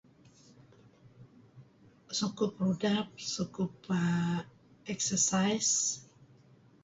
Sukup rudap sukup {er] exercise.